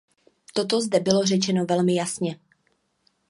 Toto zde bylo řečeno velmi jasně.